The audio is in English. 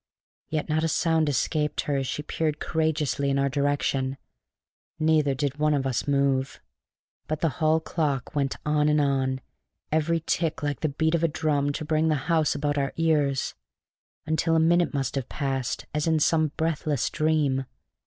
Yet not a sound escaped her as she peered courageously in our direction; neither did one of us move; but the hall clock went on and on, every tick like the beat of a drum to bring the house about our ears, until a minute must have passed as in some breathless dream.